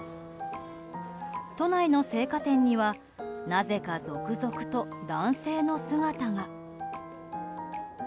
都内の生花店にはなぜか続々と男性の姿が。